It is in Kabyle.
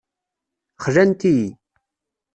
Xlant-iyi.